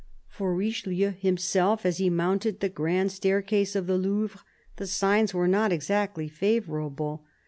For Richelieu himself, as he mounted the grand staircase of the Louvre, the signs were not exactly favourable.